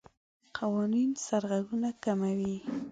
قوانین سرغړونه کموي.